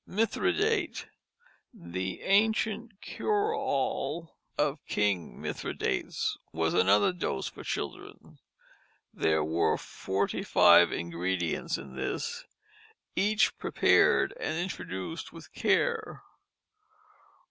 Mithridate, the ancient cure all of King Mithridates, was another dose for children. There were forty five ingredients in this, each prepared and introduced with care.